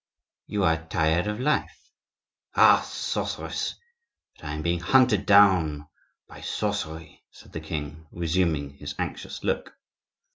"You are tired of life." "Ah, sorceress! But I am being hunted down by sorcery," said the king, resuming his anxious look.